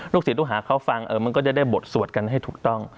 ศิลปลูกหาเขาฟังมันก็จะได้บทสวดกันให้ถูกต้อง